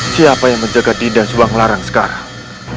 siapa yang menjaga dinda subanglarang sekarang